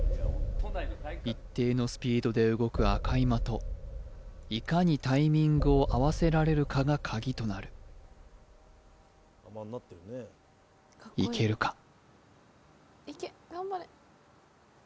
一定のスピードで動く赤い的いかにタイミングを合わせられるかがカギとなるいけるか？